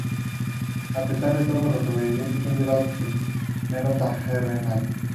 A pesar de todo, los sobrevivientes son llevados prisioneros a Harrenhal.